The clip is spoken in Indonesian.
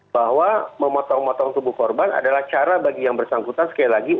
bahwa memotong motong tubuh korban adalah cara bagi yang bersangkutan sekali lagi